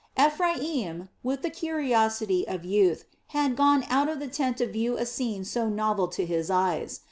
Ephraim, with the curiosity of youth, had gone out of the tent to view a scene so novel to his eyes.